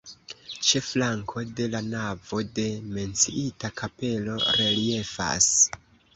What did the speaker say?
Ĉe flanko de la navo la menciita kapelo reliefas.